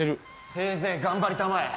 せいぜい頑張りたまえ。